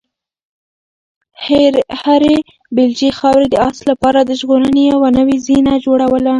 هرې بیلچې خاورې د آس لپاره د ژغورنې یوه نوې زینه جوړوله.